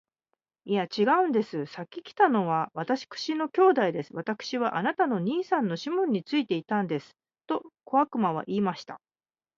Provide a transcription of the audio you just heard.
「いや、ちがうんです。先来たのは私の兄弟です。私はあなたの兄さんのシモンについていたんです。」と小悪魔は言いました。